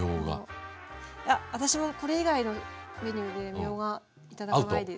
いや私もこれ以外のメニューでみょうが頂かないです。